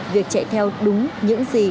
việc chạy theo đúng những gì